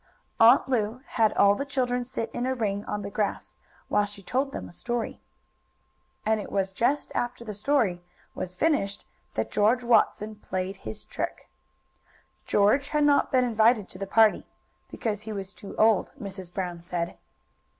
Aunt Lu had all the children sit in a ring on the grass while she told them a story. And it was just after the story was finished that George Watson played his trick. George had not been invited to the party, because he was too old, Mrs. Brown said.